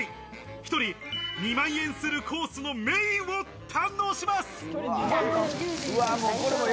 １人２万円するコースのメインを堪能します。